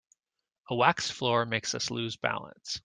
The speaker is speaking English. A waxed floor makes us lose balance.